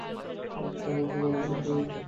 ওটা আমার ভালো চোখ ছিল।